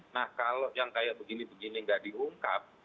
nah kalau yang kayak begini begini nggak diungkap